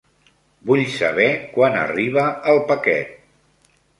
Vull saber quan arriba el paquet.